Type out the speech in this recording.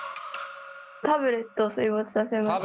タブレットを水没させました。